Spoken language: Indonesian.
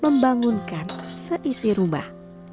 membangunkan sedisi rumah